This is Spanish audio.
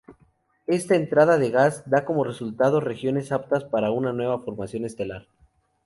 Esta entrada de gas da como resultado regiones aptas para una nueva formación estelar.